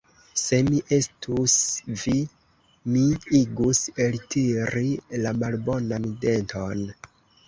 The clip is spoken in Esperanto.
Se mi estus vi, mi igus eltiri la malbonan denton.